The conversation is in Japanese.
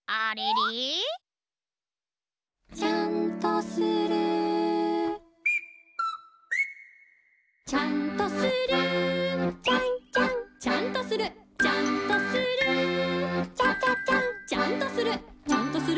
「ちゃんとする」「ちゃんとする」「ちゃんとする」「ちゃんとする」「ちゃんとするちゃんとする？」